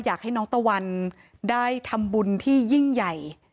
อยากให้น้องตะวันได้ทำบุญที่ยิ่งใหญ่